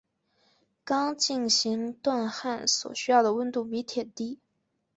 钢进行锻焊所需要的温度比铁低。